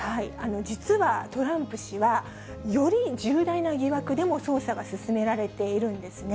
実はトランプ氏は、より重大な疑惑でも捜査が進められているんですね。